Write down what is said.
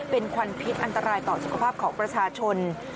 เป็นควันพิษอันตรายต่อสุขภาพของประชาชน